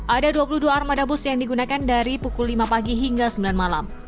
ada dua puluh dua armada bus yang digunakan dari pukul lima pagi hingga sembilan malam